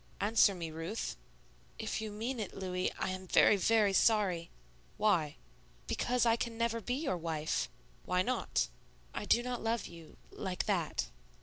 "Answer me, Ruth." "If you mean it, Louis, I am very, very sorry." "Why?" "Because I can never be your wife." "Why not?" "I do not love you like that."